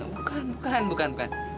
bukan bukan bukan